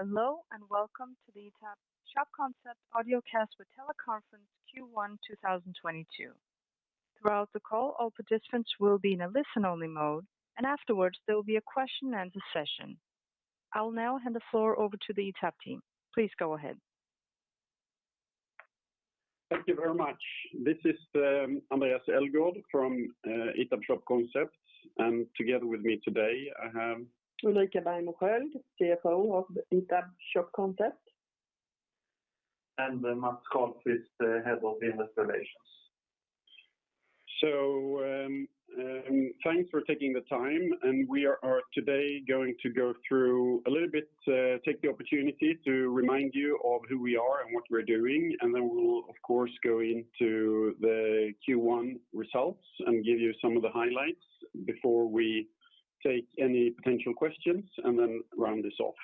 Hello, and welcome to the ITAB Shop Concept Audiocast with Teleconference Q1 2022. Throughout the call, all participants will be in a listen-only mode, and afterwards, there will be a question and answer session. I'll now hand the floor over to the ITAB team. Please go ahead. Thank you very much. This is Andréas Elgaard from ITAB Shop Concept. Together with me today I have- Ulrika Bergmo Sköld, CFO of ITAB Shop Concept. Mats Karlqvist, Head of Investor Relations. Thanks for taking the time. We are today going to go through a little bit, take the opportunity to remind you of who we are and what we're doing, and then we'll of course go into the Q1 results and give you some of the highlights before we take any potential questions and then round this off.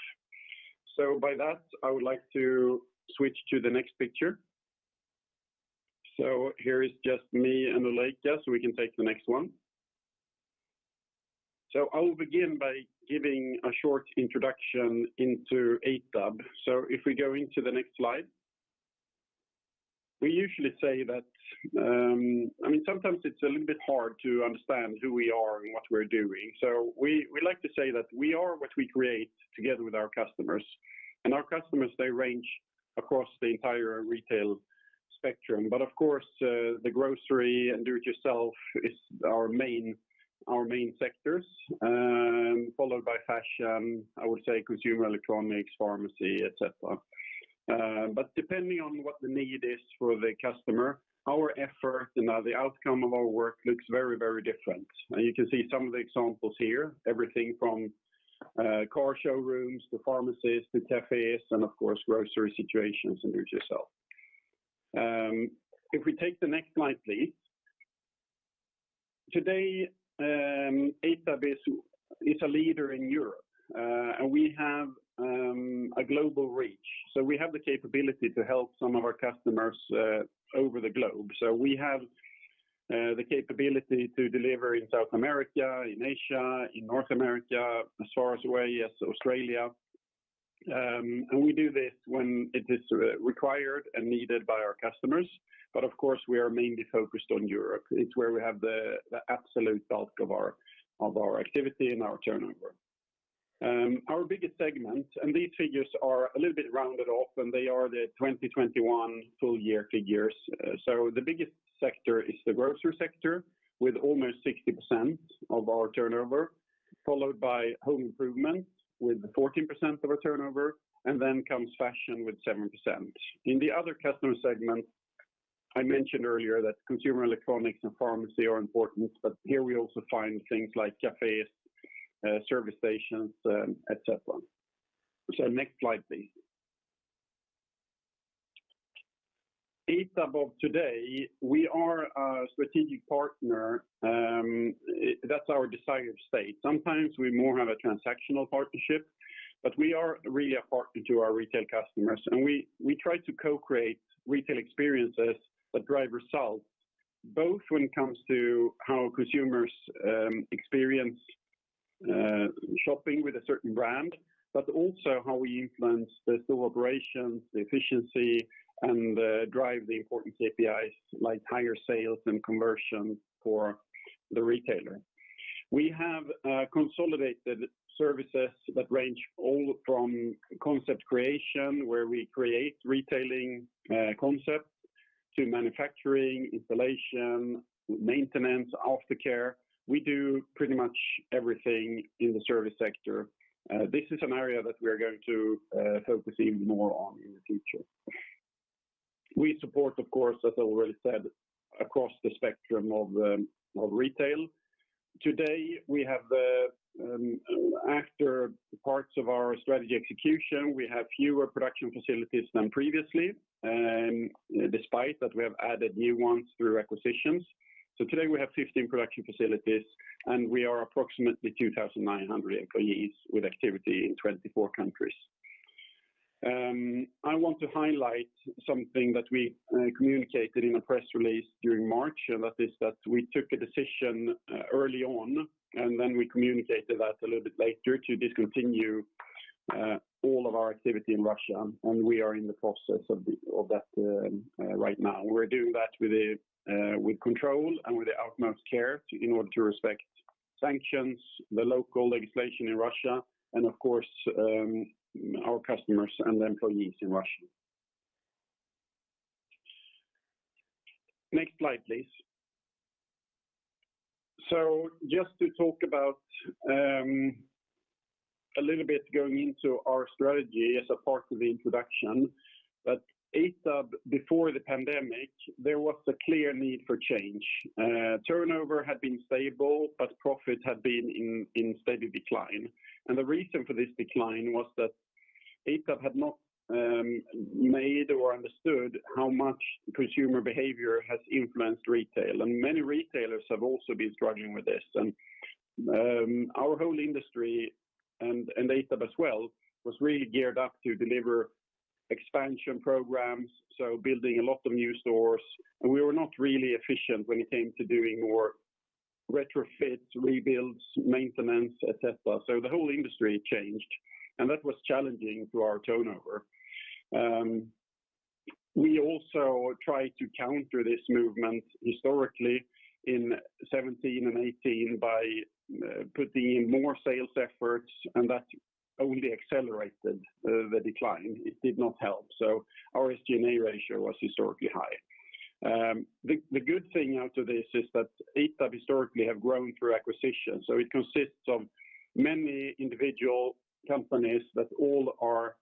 By that, I would like to switch to the next picture. Here is just me and Ulrika, so we can take the next one. I will begin by giving a short introduction into ITAB. If we go into the next slide. We usually say that, I mean, sometimes it's a little bit hard to understand who we are and what we're doing. We like to say that we are what we create together with our customers. Our customers, they range across the entire retail spectrum. Of course, the grocery and do-it-yourself is our main sectors, followed by fashion, I would say consumer electronics, pharmacy, et cetera. Depending on what the need is for the customer, our effort and the outcome of our work looks very, very different. You can see some of the examples here, everything from car showrooms to pharmacies to cafes and of course, grocery situations and do-it-yourself. If we take the next slide, please. Today, ITAB is a leader in Europe, and we have a global reach. We have the capability to help some of our customers over the globe. We have the capability to deliver in South America, in Asia, in North America, as far away as Australia. We do this when it is required and needed by our customers. Of course, we are mainly focused on Europe. It's where we have the absolute bulk of our activity and our turnover. Our biggest segment, and these figures are a little bit rounded off, and they are the 2021 full year figures. The biggest sector is the grocery sector with almost 60% of our turnover, followed by home improvement with 14% of our turnover, and then comes fashion with 7%. In the other customer segments, I mentioned earlier that consumer electronics and pharmacy are important, but here we also find things like cafes, service stations, et cetera. Next slide, please. ITAB of today, we are a strategic partner. That's our desired state. Sometimes we have more of a transactional partnership, but we are really a partner to our retail customers. We try to co-create retail experiences that drive results, both when it comes to how consumers experience shopping with a certain brand, but also how we influence the store operations, the efficiency, and drive the important KPIs like higher sales and conversion for the retailer. We have consolidated services that range all from concept creation, where we create retailing concepts to manufacturing, installation, maintenance, aftercare. We do pretty much everything in the service sector. This is an area that we are going to focus even more on in the future. We support, of course, as already said, across the spectrum of retail. Today, after parts of our strategy execution, we have fewer production facilities than previously, despite that we have added new ones through acquisitions. Today we have 15 production facilities, and we are approximately 2,900 employees with activity in 24 countries. I want to highlight something that we communicated in a press release during March, and that is that we took a decision early on, and then we communicated that a little bit later to discontinue all of our activity in Russia, and we are in the process of that right now. We're doing that with control and with the utmost care in order to respect sanctions, the local legislation in Russia and of course, our customers and the employees in Russia. Next slide, please. Just to talk about a little bit going into our strategy as a part of the introduction, ITAB before the pandemic, there was a clear need for change. Turnover had been stable, but profit had been in steady decline. The reason for this decline was that ITAB had not made or understood how much consumer behavior has influenced retail. Many retailers have also been struggling with this. Our whole industry and ITAB as well was really geared up to deliver expansion programs, so building a lot of new stores. We were not really efficient when it came to doing more retrofits, rebuilds, maintenance, et cetera. The whole industry changed, and that was challenging to our turnover. We also tried to counter this movement historically in 2017 and 2018 by putting in more sales efforts, and that only accelerated the decline. It did not help. Our SG&A ratio was historically high. The good thing out of this is that ITAB historically have grown through acquisition. It consists of many individual companies that all are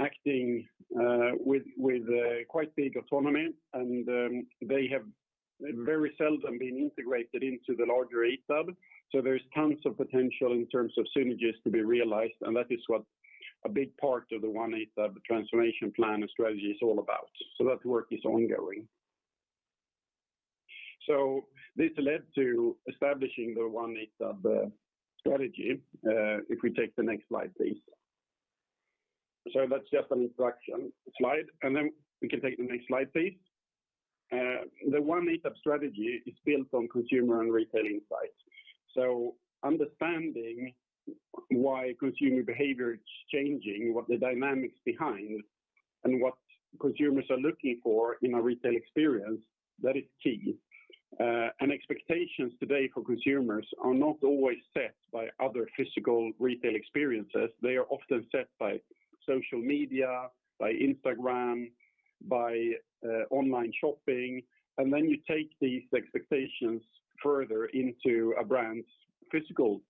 acting with quite big autonomy, and they have very seldom been integrated into the larger ITAB. There's tons of potential in terms of synergies to be realized, and that is what a big part of the One ITAB transformation plan and strategy is all about. That work is ongoing. This led to establishing the One ITAB strategy. If we take the next slide, please. Sorry, that's just an introduction slide. We can take the next slide, please. The One ITAB strategy is built on consumer and retail insights. Understanding why consumer behavior is changing, what the dynamics behind, and what consumers are looking for in a retail experience, that is key. Expectations today for consumers are not always set by other physical retail experiences. They are often set by social media, by Instagram, by online shopping. You take these expectations further into a brand's physical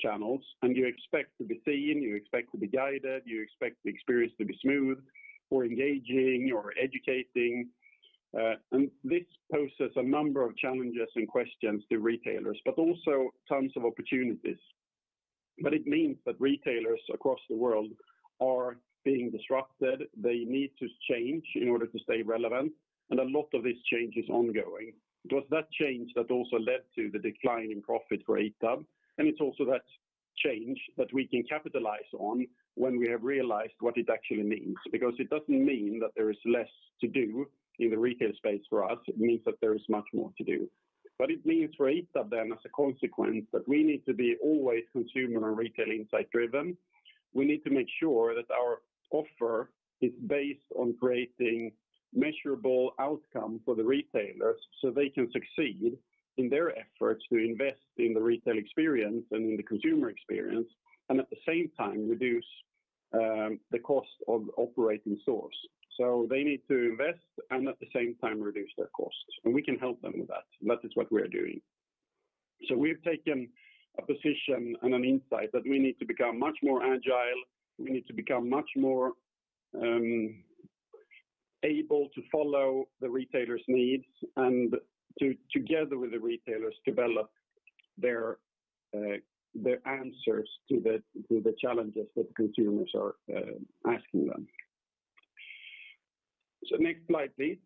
channels, and you expect to be seen, you expect to be guided, you expect the experience to be smooth or engaging or educating. This poses a number of challenges and questions to retailers, but also tons of opportunities. It means that retailers across the world are being disrupted. They need to change in order to stay relevant, and a lot of this change is ongoing. It was that change that also led to the decline in profit for ITAB, and it's also that change that we can capitalize on when we have realized what it actually means. Because it doesn't mean that there is less to do in the retail space for us, it means that there is much more to do. It means for ITAB then, as a consequence, that we need to be always consumer and retail insight driven. We need to make sure that our offer is based on creating measurable outcomes for the retailers, so they can succeed in their efforts to invest in the retail experience and in the consumer experience and at the same time reduce the cost of operating stores. They need to invest and at the same time reduce their costs, and we can help them with that. That is what we are doing. We've taken a position and an insight that we need to become much more agile. We need to become much more able to follow the retailers' needs and to, together with the retailers, develop their answers to the challenges that consumers are asking them. Next slide, please.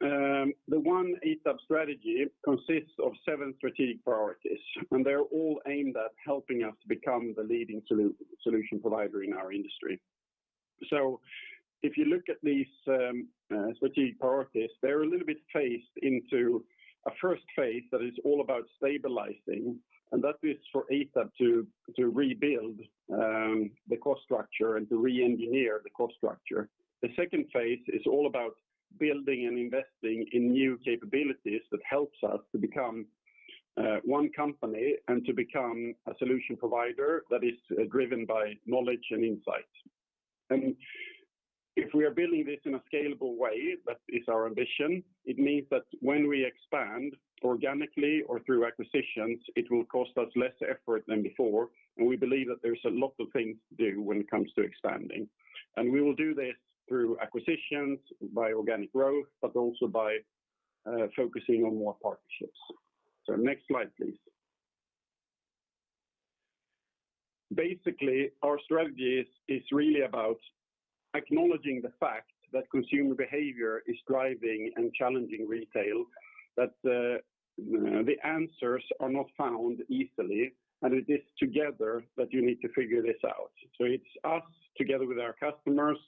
The One ITAB strategy consists of seven strategic priorities, and they're all aimed at helping us become the leading solution provider in our industry. If you look at these strategic priorities, they're a little bit phased into a first phase that is all about stabilizing, and that is for ITAB to rebuild the cost structure and to reengineer the cost structure. The second phase is all about building and investing in new capabilities that helps us to become one company and to become a solution provider that is driven by knowledge and insight. If we are building this in a scalable way, that is our ambition, it means that when we expand organically or through acquisitions, it will cost us less effort than before. We believe that there's a lot of things to do when it comes to expanding. We will do this through acquisitions, by organic growth, but also by focusing on more partnerships. Next slide, please. Basically, our strategy is really about acknowledging the fact that consumer behavior is driving and challenging retail, that the answers are not found easily, and it is together that you need to figure this out. It's us together with our customers,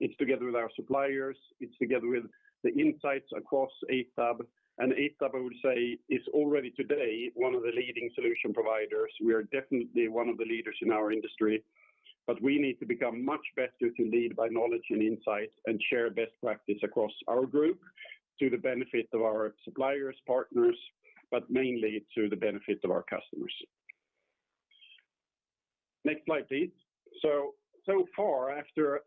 it's together with our suppliers, it's together with the insights across ITAB. ITAB, I would say, is already today one of the leading solution providers. We are definitely one of the leaders in our industry. We need to become much better to lead by knowledge and insight and share best practice across our group to the benefit of our suppliers, partners, but mainly to the benefit of our customers. Next slide, please. So far, after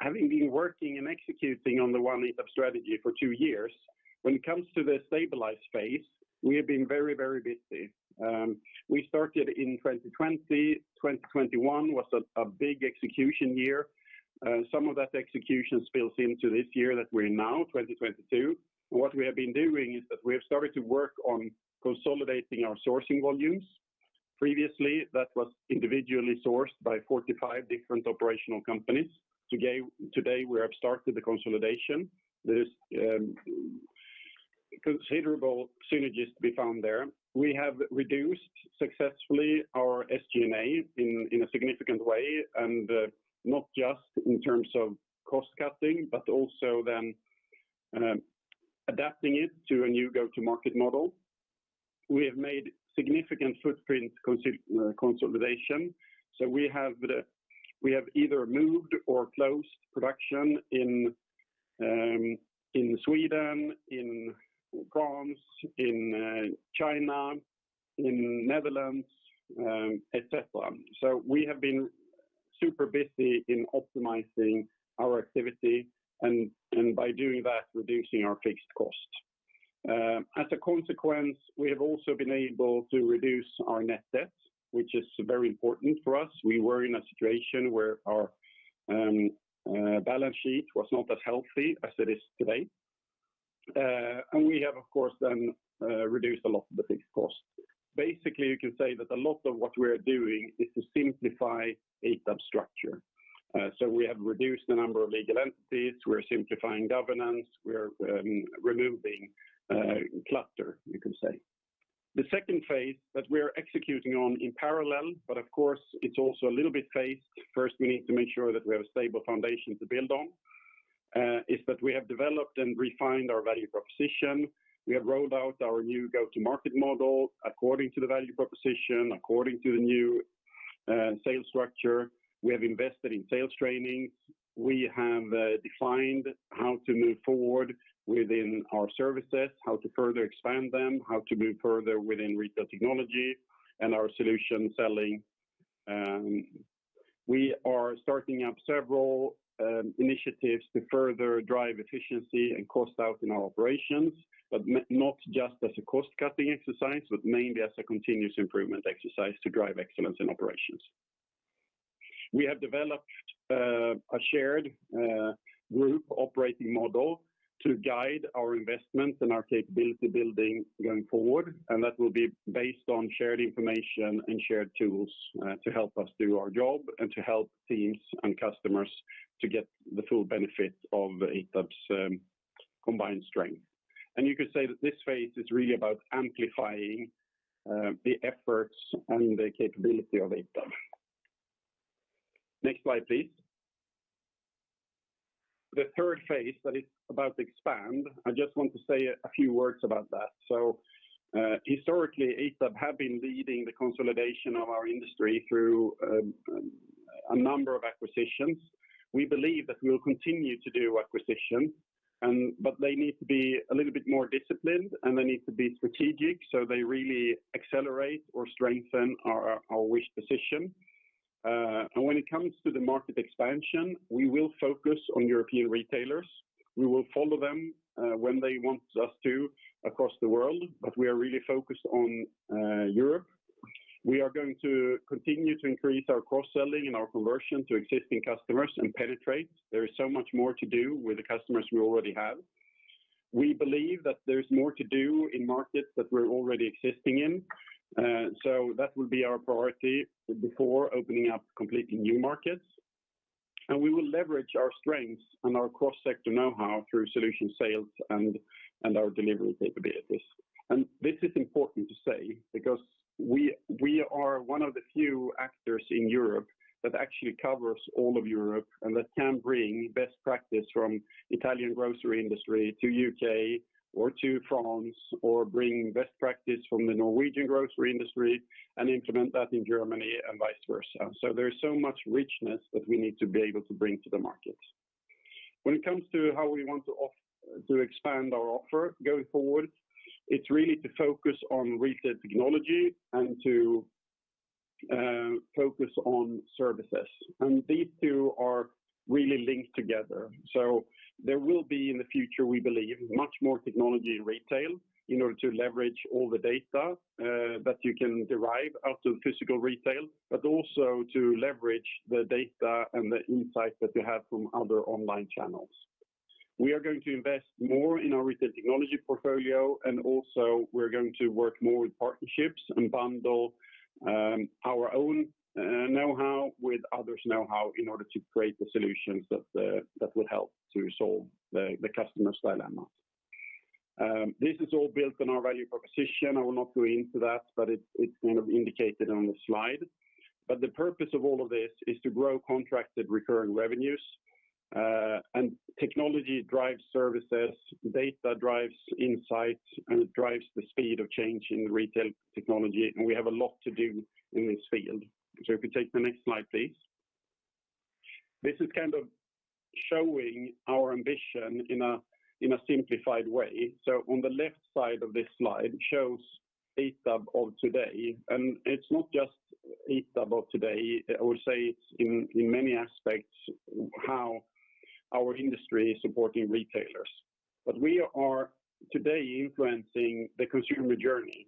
having been working and executing on the One ITAB strategy for two years, when it comes to the stabilized phase, we have been very, very busy. We started in 2020. 2021 was a big execution year. Some of that execution spills into this year that we're in now, 2022. What we have been doing is that we have started to work on consolidating our sourcing volumes. Previously, that was individually sourced by 45 different operational companies. Today, we have started the consolidation. There is considerable synergies to be found there. We have reduced successfully our SG&A in a significant way, and not just in terms of cost cutting, but also then adapting it to a new go-to-market model. We have made significant footprint consolidation. We have either moved or closed production in Sweden, in France, in China, in the Netherlands, et cetera. We have been super busy in optimizing our activity and by doing that, reducing our fixed cost. As a consequence, we have also been able to reduce our net debt, which is very important for us. We were in a situation where our balance sheet was not as healthy as it is today. We have, of course, then, reduced a lot of the fixed costs. Basically, you can say that a lot of what we're doing is to simplify ITAB's structure. We have reduced the number of legal entities. We're simplifying governance. We're removing clutter, you could say. The second phase that we are executing on in parallel, but of course, it's also a little bit phased. First, we need to make sure that we have a stable foundation to build on is that we have developed and refined our value proposition. We have rolled out our new go-to-market model according to the value proposition, according to the new sales structure. We have invested in sales training. We have defined how to move forward within our services, how to further expand them, how to move further within retail technology and our solution selling. We are starting up several initiatives to further drive efficiency and cost out in our operations, but not just as a cost-cutting exercise, but mainly as a continuous improvement exercise to drive excellence in operations. We have developed a shared group operating model to guide our investments and our capability building going forward, and that will be based on shared information and shared tools to help us do our job and to help teams and customers to get the full benefit of ITAB's combined strength. You could say that this phase is really about amplifying the efforts and the capability of ITAB. Next slide, please. The third phase that is about to expand, I just want to say a few words about that. Historically, ITAB has been leading the consolidation of our industry through a number of acquisitions. We believe that we'll continue to do acquisitions, but they need to be a little bit more disciplined, and they need to be strategic, so they really accelerate or strengthen our market position. When it comes to the market expansion, we will focus on European retailers. We will follow them when they want us to across the world, but we are really focused on Europe. We are going to continue to increase our cross-selling and our conversion to existing customers and penetrate. There is so much more to do with the customers we already have. We believe that there's more to do in markets that we're already existing in. That will be our priority before opening up completely new markets. We will leverage our strengths and our cross-sector know-how through solution sales and our delivery capabilities. This is important to say because we are one of the few actors in Europe that actually covers all of Europe and that can bring best practice from Italian grocery industry to U.K. Or to France, or bring best practice from the Norwegian grocery industry and implement that in Germany and vice versa. There's so much richness that we need to be able to bring to the market. When it comes to how we want to expand our offer going forward, it's really to focus on retail technology and to focus on services. These two are really linked together. There will be, in the future, we believe, much more technology in retail in order to leverage all the data that you can derive out of physical retail, but also to leverage the data and the insight that you have from other online channels. We are going to invest more in our retail technology portfolio, and also we're going to work more with partnerships and bundle our own know-how with others' know-how in order to create the solutions that will help to solve the customer's dilemma. This is all built on our value proposition. I will not go into that, but it's kind of indicated on the slide. The purpose of all of this is to grow contracted recurring revenues. Technology drives services, data drives insights, and it drives the speed of change in retail technology, and we have a lot to do in this field. If you take the next slide, please. This is kind of showing our ambition in a simplified way. On the left side of this slide shows ITAB of today, and it's not just ITAB of today. I would say it's in many aspects how our industry is supporting retailers. We are today influencing the consumer journey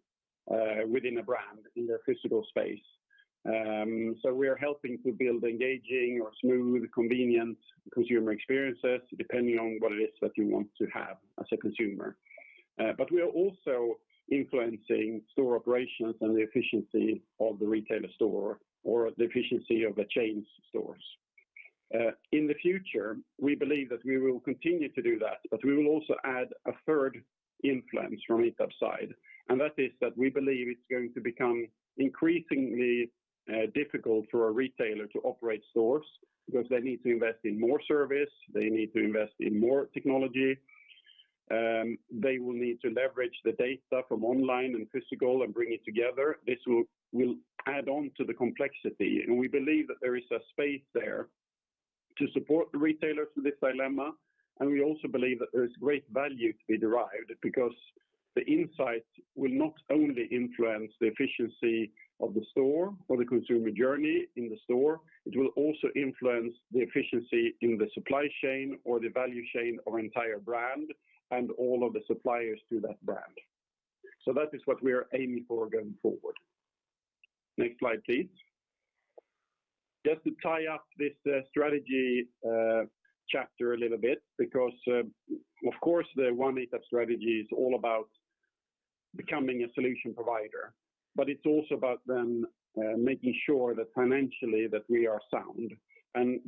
within a brand in their physical space. We are helping to build engaging or smooth, convenient consumer experiences, depending on what it is that you want to have as a consumer. We are also influencing store operations and the efficiency of the retail store or the efficiency of chain stores. In the future, we believe that we will continue to do that, but we will also add a third influence from our side. That is that we believe it's going to become increasingly difficult for a retailer to operate stores because they need to invest in more service, they need to invest in more technology, they will need to leverage the data from online and physical and bring it together. This will add on to the complexity, and we believe that there is a space there to support the retailers with this dilemma. We also believe that there's great value to be derived because the insights will not only influence the efficiency of the store or the consumer journey in the store, it will also influence the efficiency in the supply chain or the value chain of entire brand and all of the suppliers to that brand. That is what we are aiming for going forward. Next slide, please. Just to tie up this strategy chapter a little bit because of course, the One ITAB strategy is all about becoming a solution provider, but it's also about then making sure that financially that we are sound.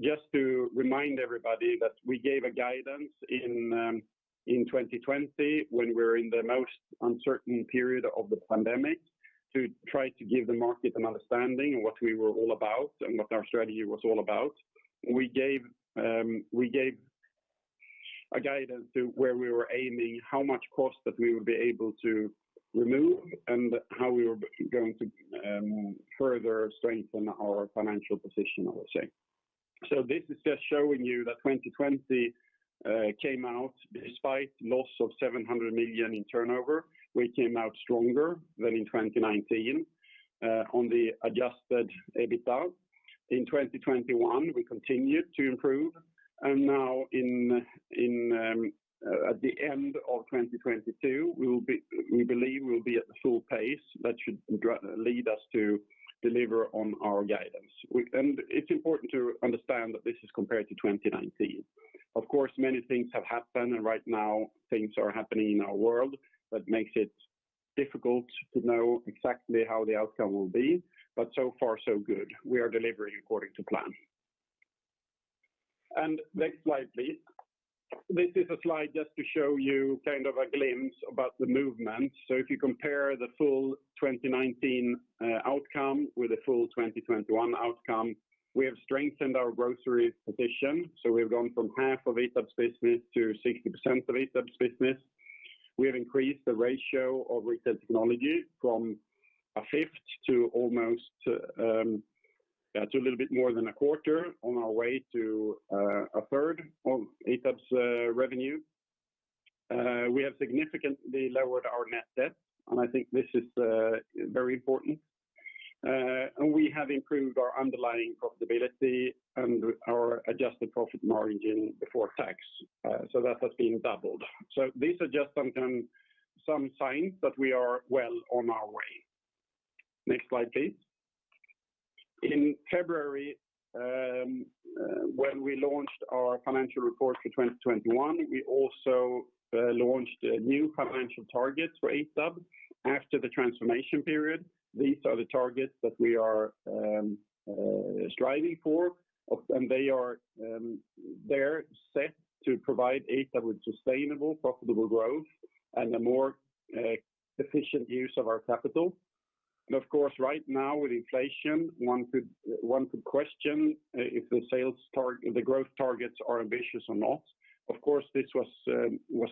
Just to remind everybody that we gave a guidance in 2020 when we were in the most uncertain period of the pandemic to try to give the market an understanding of what we were all about and what our strategy was all about. We gave a guidance to where we were aiming, how much cost that we would be able to remove, and how we were going to further strengthen our financial position, I would say. This is just showing you that 2020 came out despite a loss of 700 million in turnover. We came out stronger than in 2019 on the adjusted EBITDA. In 2021, we continued to improve. Now at the end of 2022, we believe we'll be at the full pace that should lead us to deliver on our guidance. It's important to understand that this is compared to 2019. Of course, many things have happened, and right now things are happening in our world that makes it difficult to know exactly how the outcome will be. So far so good. We are delivering according to plan. Next slide, please. This is a slide just to show you kind of a glimpse about the movement. If you compare the full 2019 outcome with the full 2021 outcome, we have strengthened our grocery position. We've gone from half of ITAB's business to 60% of ITAB's business. We have increased the ratio of retail technology from a fifth to a little bit more than a quarter on our way to a third of ITAB's revenue. We have significantly lowered our net debt, and I think this is very important. We have improved our underlying profitability and our adjusted profit margin before tax. That has been doubled. These are just some signs that we are well on our way. Next slide, please. In February, when we launched our financial report for 2021, we also launched new financial targets for ITAB after the transformation period. These are the targets that we are striving for, and they are set to provide ITAB with sustainable, profitable growth and a more efficient use of our capital. Of course, right now with inflation, one could question if the growth targets are ambitious or not. Of course, this was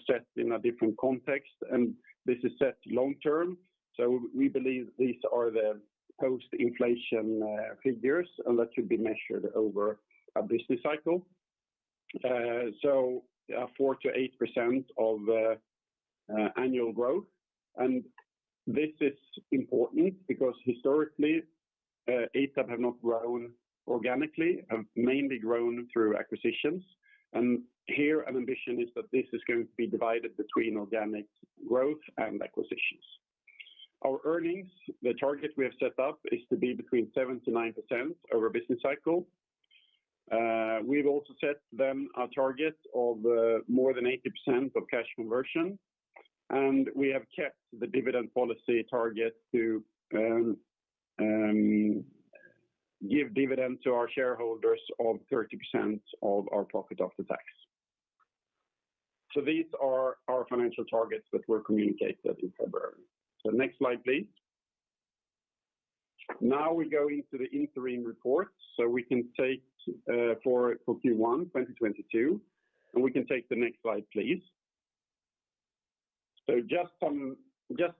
set in a different context, and this is set long term. We believe these are the post-inflation figures, and that should be measured over a business cycle. 48% of the annual growth. This is important because historically, ITAB have not grown organically, have mainly grown through acquisitions. Here an ambition is that this is going to be divided between organic growth and acquisitions. Our earnings, the target we have set up is to be between 79% over a business cycle. We've also set them a target of more than 80% of cash conversion, and we have kept the dividend policy target to give dividend to our shareholders of 30% of our profit after tax. These are our financial targets that were communicated in February. Next slide, please. Now we go into the interim report. We can take for Q1 2022, and we can take the next slide, please. Just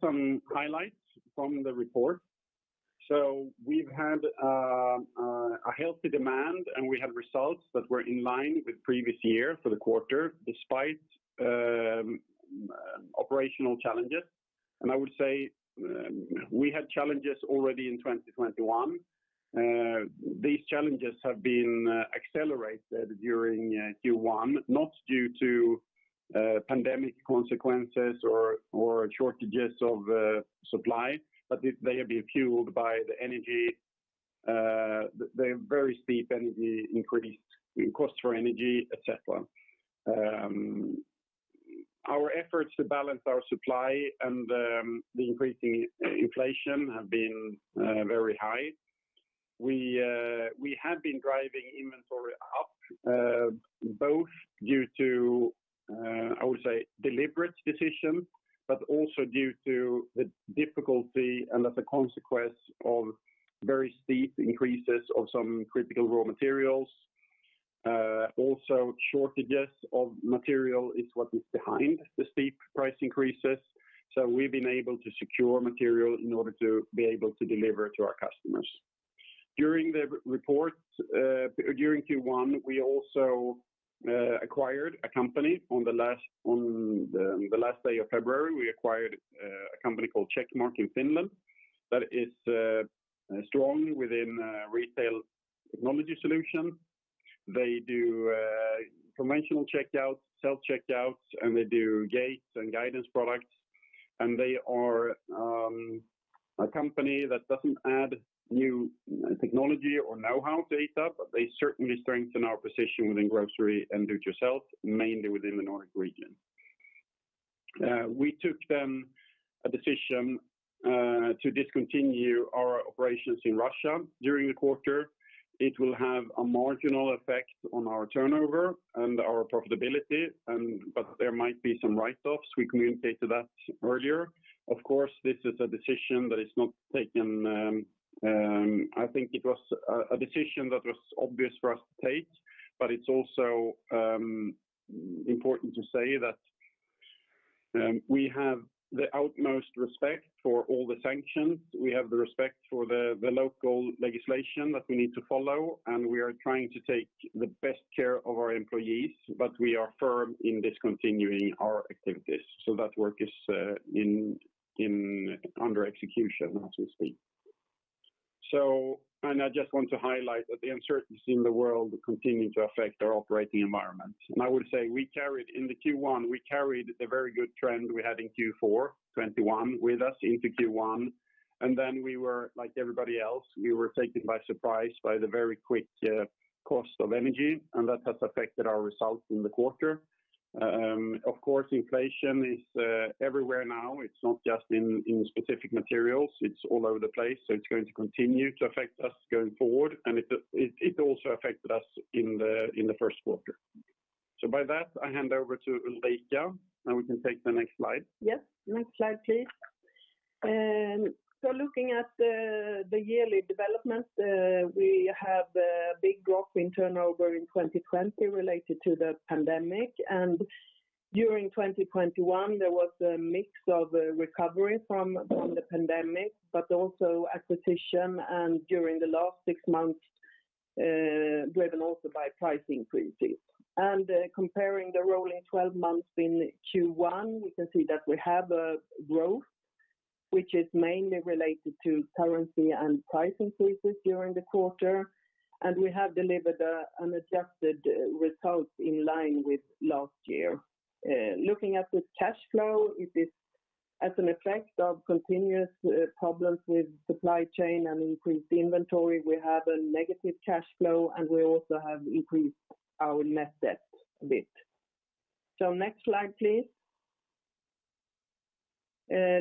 some highlights from the report. We've had a healthy demand, and we have results that were in line with previous year for the quarter, despite operational challenges. I would say we had challenges already in 2021. These challenges have been accelerated during Q1, not due to pandemic consequences or shortages of supply, but they have been fueled by the energy, the very steep energy increase in cost for energy, et cetera. Our efforts to balance our supply and the increasing inflation have been very high. We have been driving inventory up, both due to, I would say deliberate decision, but also due to the difficulty and as a consequence of very steep increases of some critical raw materials. Also shortages of material is what is behind the steep price increases, so we've been able to secure material in order to be able to deliver to our customers. During Q1, we also acquired a company on the last day of February, a company called Checkmark in Finland that is strong within retail technology solutions. They do conventional checkouts, self-checkouts, and they do gates and guidance products. They are a company that doesn't add new technology or know-how to ITAB, but they certainly strengthen our position within grocery and do-it-yourself, mainly within the Nordic region. We took then a decision to discontinue our operations in Russia during the quarter. It will have a marginal effect on our turnover and our profitability, but there might be some write-offs. We communicated that earlier. Of course, this is a decision that is not taken. I think it was a decision that was obvious for us to take, but it's also important to say that we have the utmost respect for all the sanctions. We have the respect for the local legislation that we need to follow, and we are trying to take the best care of our employees, but we are firm in discontinuing our activities, so that work is under execution, as we speak. I just want to highlight that the uncertainty in the world continue to affect our operating environment. I would say in the Q1, we carried a very good trend we had in Q4 2021 with us into Q1. We were, like everybody else, we were taken by surprise by the very quick cost of energy, and that has affected our results in the quarter. Of course, inflation is everywhere now. It's not just in specific materials, it's all over the place, so it's going to continue to affect us going forward, and it also affected us in the first quarter. By that, I hand over to Ulrika, and we can take the next slide. Yes. Next slide, please. Looking at the yearly development, we have a big growth in turnover in 2020 related to the pandemic. During 2021, there was a mix of recovery from the pandemic, but also acquisition and during the last six months, driven also by price increases. Comparing the rolling twelve months in Q1, we can see that we have a growth, which is mainly related to currency and price increases during the quarter, and we have delivered an adjusted result in line with last year. Looking at the cash flow, it is an effect of continuous problems with supply chain and increased inventory, we have a negative cash flow, and we also have increased our net debt a bit. Next slide, please.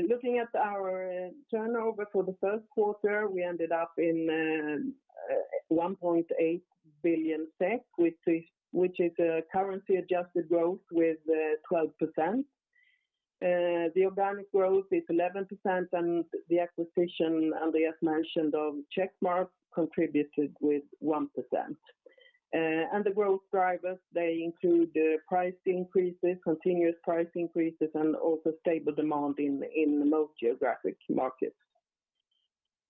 Looking at our turnover for the first quarter, we ended up in 1.8 billion SEK, which is a currency-adjusted growth with 12%. The organic growth is 11%, and the acquisition, Andréas mentioned, of Checkmark contributed with 1%. The growth drivers, they include price increases, continuous price increases, and also stable demand in most geographic markets.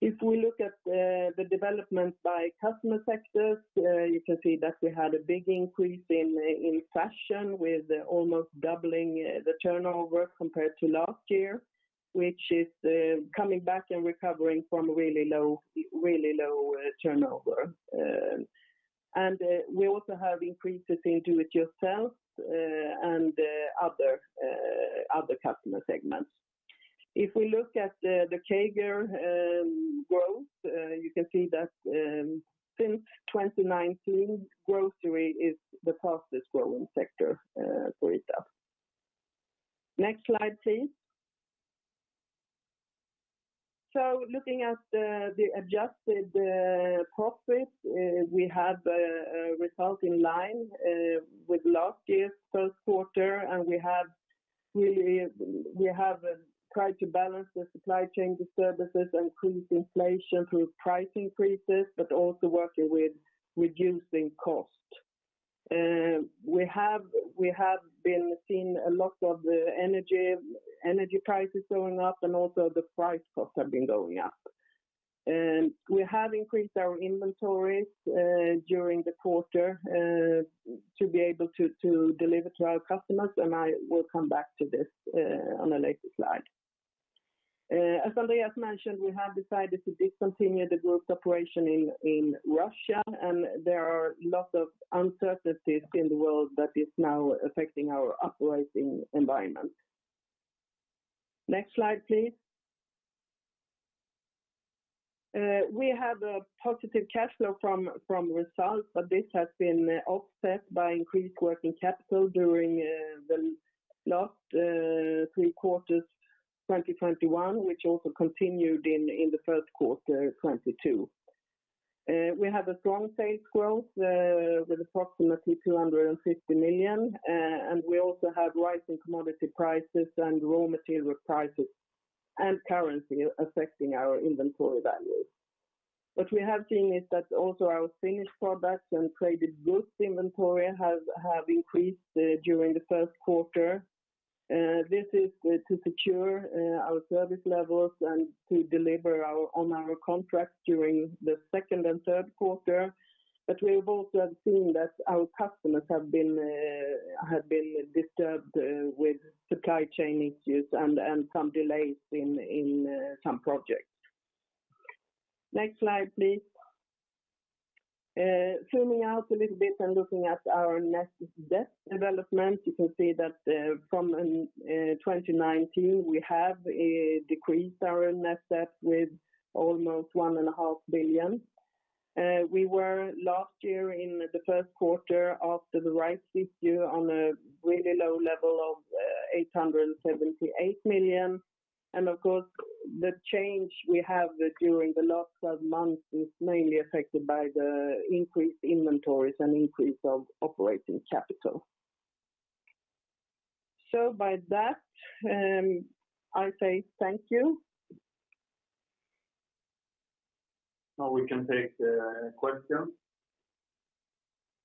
If we look at the development by customer sectors, you can see that we had a big increase in fashion with almost doubling the turnover compared to last year, which is coming back and recovering from really low turnover. We also have increases in do-it-yourself and other customer segments. If we look at the CAGR growth, you can see that since 2019, grocery is the fastest growing sector for us. Next slide, please. Looking at the adjusted profit, we have a result in line with last year's first quarter, and we have really tried to balance the supply chain disturbances, increased inflation through price increases but also working with reducing costs. We have been seeing a lot of the energy prices going up and also the prices and costs have been going up. We have increased our inventories during the quarter to be able to deliver to our customers, and I will come back to this on a later slide. As Andréas mentioned, we have decided to discontinue the group's operation in Russia, and there are a lot of uncertainties in the world that is now affecting our operating environment. Next slide, please. We have a positive cash flow from results, but this has been offset by increased working capital during the last three quarters 2021, which also continued in the first quarter 2022. We have a strong sales growth with approximately 250 million, and we also have rising commodity prices and raw material prices and currency affecting our inventory values. What we have seen is that also our finished products and traded goods inventory have increased during the first quarter. This is to secure our service levels and to deliver on our contract during the second and third quarter. We have seen that our customers have been disturbed with supply chain issues and some delays in some projects. Next slide, please. Zooming out a little bit and looking at our net debt development, you can see that from 2019 we have decreased our net debt with almost 1.5 billion. We were last year in the first quarter after the rights issue on a really low level of 878 million. Of course, the change we have during the last twelve months is mainly affected by the increased inventories and increase of operating capital. By that, I say thank you. Now we can take the questions.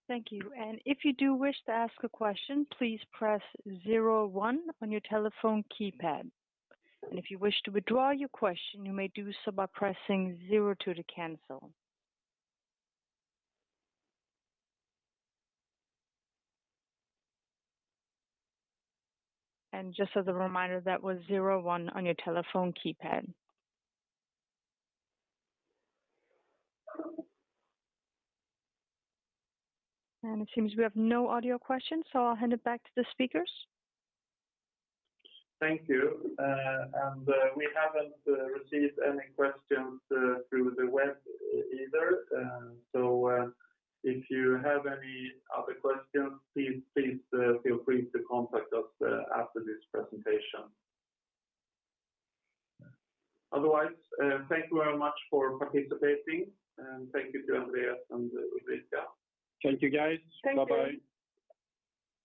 Thank you. If you do wish to ask a question, please press zero one on your telephone keypad. If you wish to withdraw your question, you may do so by pressing zero two to cancel. Just as a reminder, that was zero one on your telephone keypad. It seems we have no audio questions, so I'll hand it back to the speakers. Thank you. We haven't received any questions through the web either. If you have any other questions, please feel free to contact us after this presentation. Otherwise, thank you very much for participating and thank you to Andréas and Ulrika. Thank you, guys. Thank you. Bye-bye.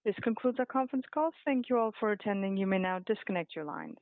This concludes our conference call. Thank you all for attending. You may now disconnect your lines.